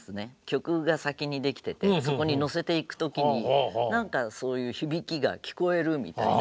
曲が先に出来ててそこに乗せていく時に何かそういう響きが聴こえるみたいな。